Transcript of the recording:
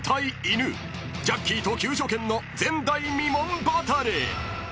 ［ジャッキーと救助犬の前代未聞バトル！］